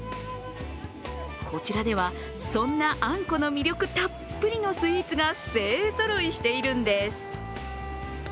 こちらでは、そんなあんこの魅力たっぷりのスイーツが勢ぞろいしているんです。